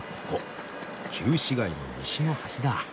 旧市街の西の端だ。